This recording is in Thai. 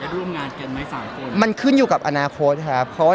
ร่วมงานกันไหมสามคนมันขึ้นอยู่กับอนาคตครับเพราะว่า